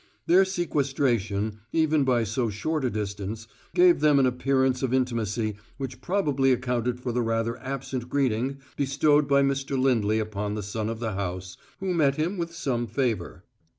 Their sequestration, even by so short a distance, gave them an appearance of intimacy which probably accounted for the rather absent greeting bestowed by Mr. Lindley upon the son of the house, who met him with some favour.